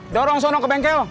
dorong sono ke bengkel